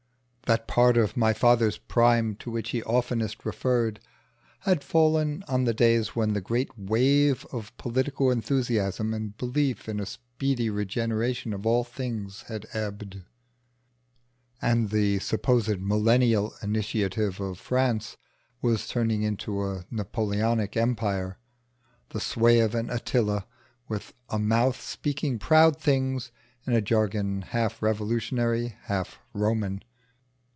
That part of my father's prime to which he oftenest referred had fallen on the days when the great wave of political enthusiasm and belief in a speedy regeneration of all things had ebbed, and the supposed millennial initiative of France was turning into a Napoleonic empire, the sway of an Attila with a mouth speaking proud things in a jargon half revolutionary, half Roman.